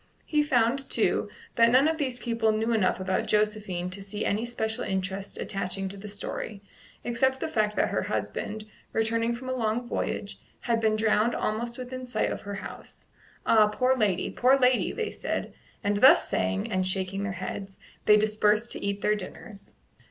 He found, too, that none of these people knew enough about Josephine to see any special interest attaching to the story, except the fact that her husband, returning from a long voyage, had been drowned almost within sight of her house. "Ah, poor lady! poor lady!" they said; and thus saying, and shaking their heads, they dispersed to eat their dinners.